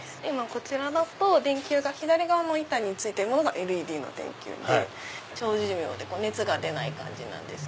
こちらだと左の板に付いてるのがＬＥＤの電球で長寿命で熱が出ない感じです。